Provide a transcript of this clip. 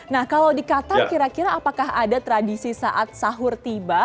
nah kalau di qatar kira kira apakah ada tradisi saat sahur tiba